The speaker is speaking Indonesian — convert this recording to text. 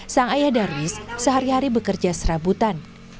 sang ayah darwis sehari hari bekerja serabutan